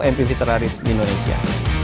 mpv terlaris di indonesia